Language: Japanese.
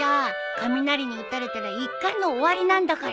雷に打たれたら一巻の終わりなんだから。